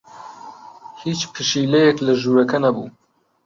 هیچ پشیلەیەک لە ژوورەکە نەبوو.